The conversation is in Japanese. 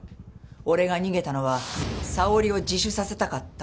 俺が逃げたのはさおりを自首させたかったからだ。